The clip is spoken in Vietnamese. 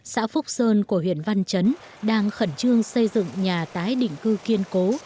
xã phúc sơn của huyện văn chấn đang khẩn trương xây dựng nhà tái định cư kiên cố